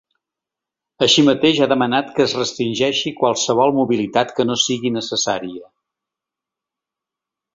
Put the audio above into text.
Així mateix, ha demanat que es restringeixi qualsevol mobilitat que no sigui necessària.